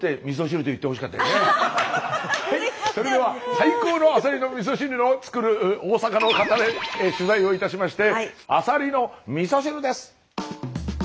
最高のアサリのみそ汁を作る大阪の方へ取材をいたしましてアサリのみそ汁です！